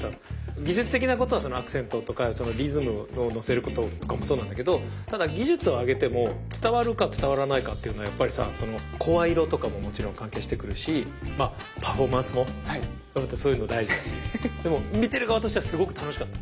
技術的なことはそのアクセントとかそのリズムをのせることとかもそうなんだけどただ技術を上げても伝わるか伝わらないかっていうのはやっぱりさその声色とかももちろん関係してくるしまあパフォーマンスもそういうの大事だしでも見てる側としてはすごく楽しかった。